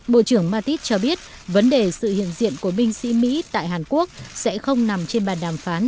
bộ trưởng mattis cho biết vấn đề sự hiện diện của binh sĩ mỹ tại hàn quốc sẽ không nằm trên bàn đàm phán